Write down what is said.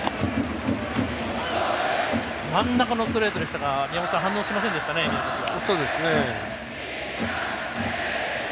真ん中のストレートでしたが宮本さん、反応しませんでしたね宮崎は。